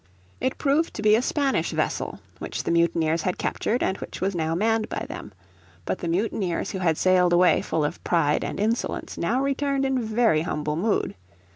It proved to be a Spanish vessel which the mutineers had captured and which was now manned by them. But the mutineers who had sailed away full of pride and insolence now returned in very humble mood.